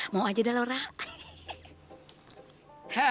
mau aja dah lho raya